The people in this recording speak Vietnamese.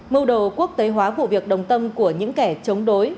mưu đồ quốc tế hóa vụ việc đồng tâm của những kẻ chống đối